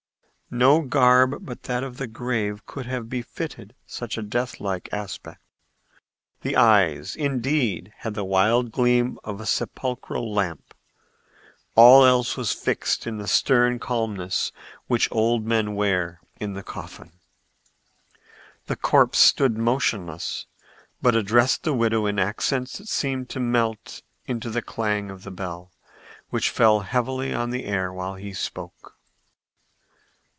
No garb but that of the grave could have befitted such a death like aspect. The eyes, indeed, had the wild gleam of a sepulchral lamp; all else was fixed in the stern calmness which old men wear in the coffin. The corpse stood motionless, but addressed the widow in accents that seemed to melt into the clang of the bell, which fell heavily on the air while he spoke.